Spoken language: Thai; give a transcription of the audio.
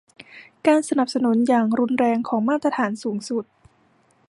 การสนับสนุนอย่างรุนแรงของมาตรฐานสูงสุด